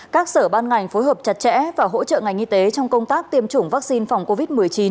các sở ban ngành phối hợp chặt chẽ và hỗ trợ ngành y tế trong công tác tiêm chủng vaccine phòng covid một mươi chín